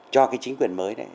cho cái chính quyền mới này